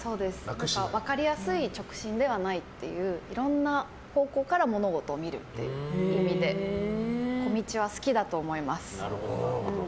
分かりやすい直進ではないいろんな方向から物事を見るっていう意味で小道は好きだと思います。